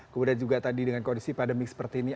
kemudian juga tadi dengan kondisi pandemi seperti ini